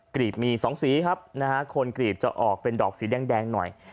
กรีบมี๒สีครับนะฮะคนกรีบจะออกเป็นดอกสีแดงหน่อย